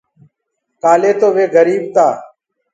ڪآلي تو وي گريٚب تا۔